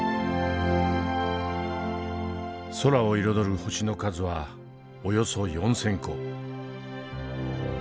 空を彩る星の数はおよそ４，０００個。